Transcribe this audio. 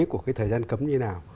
của cái thời gian cấm như thế nào